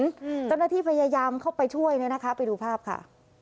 เจ้าหน้าที่พยายามเข้าไปช่วยเนี่ยนะคะไปดูภาพค่ะ